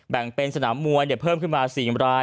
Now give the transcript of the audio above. แบ่งเป็นสนามมวยเพิ่มขึ้นมา๔ราย